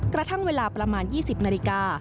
กระทั่งเวลาประมาณ๒๐นาฬิกา